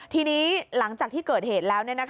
ทีนี้หลังจากที่เกิดเหตุแล้ว